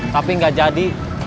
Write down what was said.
tapi gak jadi